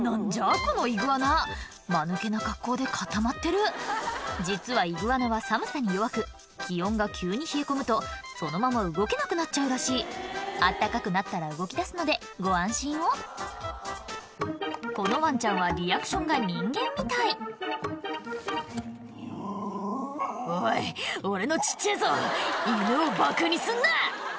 このイグアナマヌケな格好で固まってる実はイグアナは寒さに弱く気温が急に冷え込むとそのまま動けなくなっちゃうらしい暖かくなったら動きだすのでご安心をこのワンちゃんはリアクションが人間みたい「おい俺の小っちぇえぞ犬をバカにすんな！」